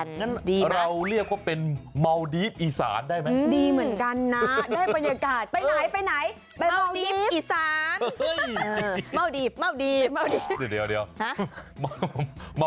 เราเรียกว่าเป็นเมาดีฟอีสานได้ไหม